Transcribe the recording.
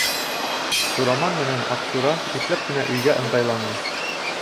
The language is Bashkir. Сураман менән Аҡсура ипләп кенә өйгә ыңғайланы.